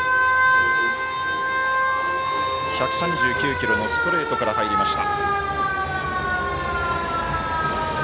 １３９キロのストレートから入りました。